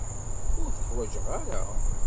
Ur t-ḥwaǧeɣ ara.